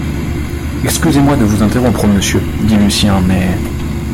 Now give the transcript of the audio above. Excusez-moi de vous interrompre, monsieur, dit Lucien ; mais...